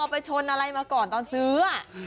ไปชนอะไรมาก่อนตอนซื้อ